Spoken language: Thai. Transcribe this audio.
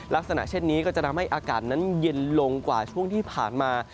ลักษณะเช่นนี้ก็จะทำให้อากาศนั้นเย็นลงกว่าช่วงที่ผ่านมา